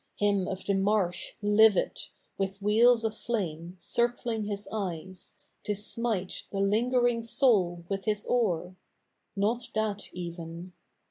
i of the inarsh Livid, with wheels of flame Circling his eyes, to smite The lingering soul with his oar. — Not that even.